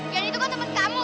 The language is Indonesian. yang itu kan temen kamu